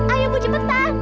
ayah ibu cepetan